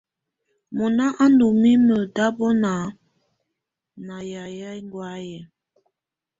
Mɔnà á ndù mimǝ́ tabɔna nà yayɛ̀́á ɛngɔ̀áyɛ̀.